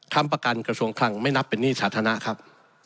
ประกันกระทรวงคลังไม่นับเป็นหนี้สาธารณะครับ